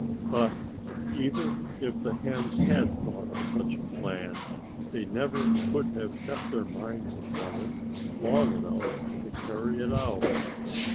But even if the hens had thought of such a plan they never could have kept their minds upon it long enough to carry it out.